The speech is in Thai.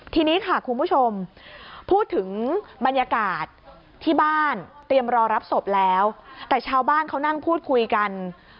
ทีนี้ค่ะคุณผู้ชมพูดถึงบรรยากาศที่บ้านเตรียมรอรับศพแล้วแต่ชาวบ้านเขานั่งพูดคุยกัน